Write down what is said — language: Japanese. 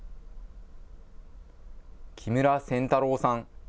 木村仙太郎さん。